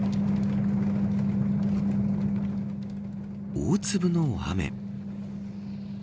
大粒の雨。